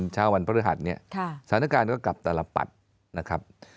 เช้าวันพฤหัสเนี่ยสถานการณ์ก็กลับแต่ละปัดนะครับ